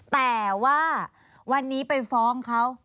แต่ว่าวันนี้ไปฟ้องเขา